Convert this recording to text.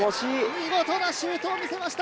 見事なシュートを見せました。